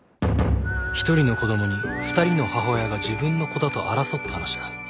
１人の子どもに２人の母親が自分の子だと争った話だ。